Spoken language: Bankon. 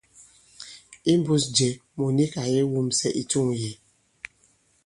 Imbūs jɛ, mùt nik ǎ kè wumsɛ i tûŋ yě.